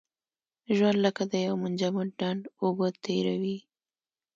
ژوند لکه د یو منجمد ډنډ اوبه تېروي.